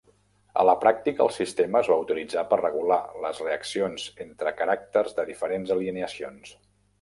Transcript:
A la pràctica el sistema es va utilitzar per regular les reaccions entre caràcters de diferents alineacions.